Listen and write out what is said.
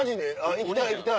行きたい行きたい。